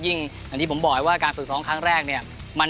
อย่างที่ผมบอกว่าการฝึกซ้อมครั้งแรกเนี่ย